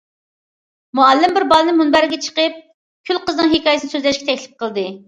مۇئەللىم بىر بالىنى مۇنبەرگە چىقىپ كۈل قىزنىڭ ھېكايىسىنى سۆزلەشكە تەكلىپ قىلدى.